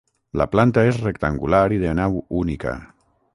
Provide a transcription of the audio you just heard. La planta és rectangular i de nau única.